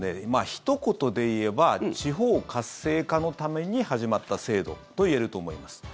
ひと言で言えば地方活性化のために始まった制度といえると思います。